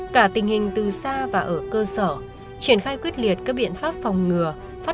cả tình hình từ xa và ở cơ sở triển khai quyết liệt các biện pháp phòng ngừa phát